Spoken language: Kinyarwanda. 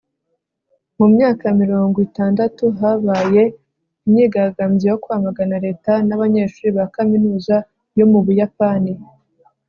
mu myaka ya za miirongo itandatu, habaye imyigaragambyo yo kwamagana leta n'abanyeshuri ba kaminuza yo mu buyapani